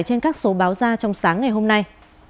trên các số báo ra trong sáng ngày hôm nay